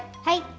はい。